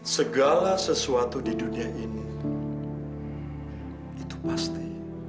segala sesuatu di dunia ini itu pasti